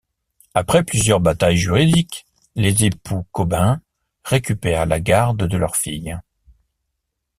Après plusieurs batailles juridiques, les époux Cobain récupèrent la garde de leur fille.